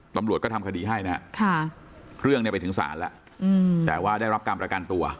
ประหลวงก็ทำคดีให้ครับร่วงไปถึงสารแต่ว่าได้รับกรรมประกันตัว